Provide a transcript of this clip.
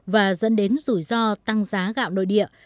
và dẫn đến rủi ro tăng giá gạo nội địa